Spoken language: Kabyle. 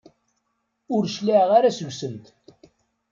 Ur cliɛeɣ ara seg-sent!